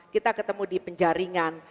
kita ketemu di penjaringan